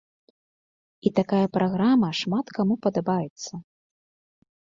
І такая праграма шмат каму падабаецца.